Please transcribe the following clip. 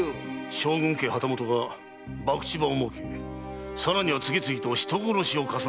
将軍家旗本が博打場を設けさらには次々と人殺しを重ねるとは不届き至極だ。